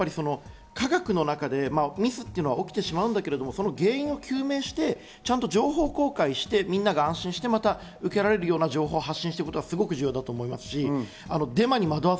でも、科学の中でミスは起きてしまうんだけれど、その原因を究明して、ちゃんと情報を公開して、みんなが安心してまた受けられるような情報を発信していくことが重要だと思います。